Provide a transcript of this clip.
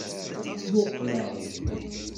Muqleɣ-d!